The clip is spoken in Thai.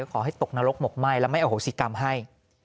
ขอให้ตกนรกหมกไหม้และไม่อโหสิกรรมให้